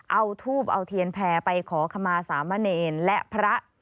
เอาทูบเอาเทียนแพรไปขอขมาสามเณรและพระ